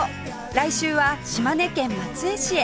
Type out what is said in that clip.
来週は島根県松江市へ